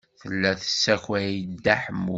Tella tessakay-d Dda Ḥemmu.